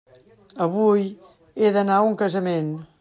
Avui he d'anar a un casament.